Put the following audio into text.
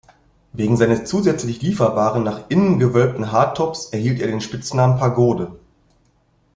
Wegen seines zusätzlich lieferbaren, nach innen gewölbten Hardtops erhielt er den Spitznamen Pagode.